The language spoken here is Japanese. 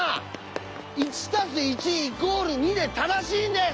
「１＋１＝２」で正しいんです！